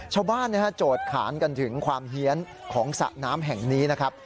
โจทย์ขานกันถึงความเฮียนของสระน้ำแห่งนี้นะครับ